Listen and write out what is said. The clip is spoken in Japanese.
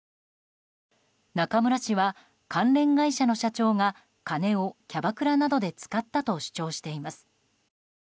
中村氏は、関連会社の社長が金をキャバクラなどで使ったと主張しています。